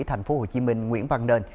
thành phố hồ chí minh nguyễn văn nơn